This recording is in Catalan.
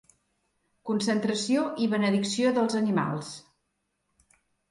Concentració i benedicció dels animals.